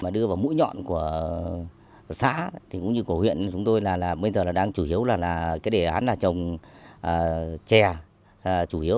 đưa vào mũi nhọn của xã cũng như của huyện chúng tôi là bây giờ đang chủ yếu là đề án trồng chè